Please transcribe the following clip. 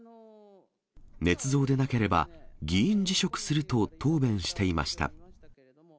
ねつ造でなければ、議員辞職すると答弁していました。